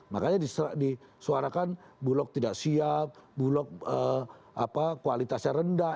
makanya disuarakan bulog tidak siap bulog kualitasnya rendah